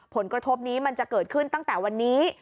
ผลกระทบนี้มันจะเกิดขึ้นตั้งแต่วันนี้